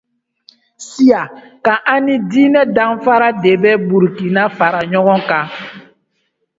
Siya, kan ani diinɛ danfara de bɛ Burukina fara ɲɔgɔn kan.